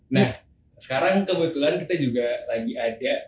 nah sekarang kebetulan kita juga lagi ada